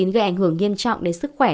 gây ảnh hưởng nghiêm trọng đến sức khỏe